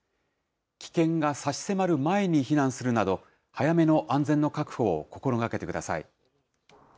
危険が差し迫る前に避難するなど、早めの安全の確保を心がけてください。